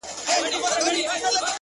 o زما په سترگو كي را رسم كړي؛